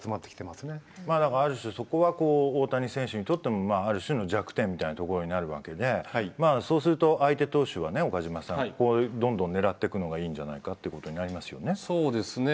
まあだからある種そこは大谷選手にとってもある種の弱点みたいなところになるわけでまあそうすると相手投手はね岡島さんここをどんどん狙ってくのがいいんじゃないかってことになりますよね。